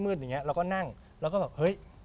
อย่างนี้เราก็นั่งแล้วก็แบบเฮ้ย